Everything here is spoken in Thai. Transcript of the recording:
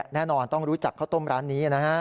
แน่นอนต้องรู้จักข้าวต้มร้านนี้นะฮะ